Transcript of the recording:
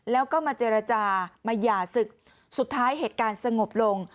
แล้วก็มาเจรจามาหย่าศึกสุดท้ายเหตุการณ์สงบลง